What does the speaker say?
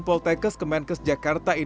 poltekes kemenkes jakarta